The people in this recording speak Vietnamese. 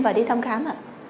và đi thăm khám ạ